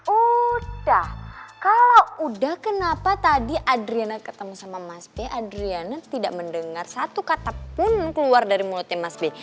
udah kalau udah kenapa tadi adriana ketemu sama mas b adriana tidak mendengar satu kata pun keluar dari mulutnya mas b